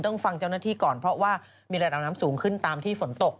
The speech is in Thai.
ฟังเจ้าหน้าที่ก่อนเพราะว่ามีระดับน้ำสูงขึ้นตามที่ฝนตก